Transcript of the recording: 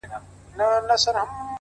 ساقي پر ملا را خمه سه پر ملا در مات دی،